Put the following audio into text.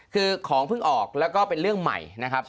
คือของเพิ่งออกแล้วก็เป็นเรื่องใหม่นะครับ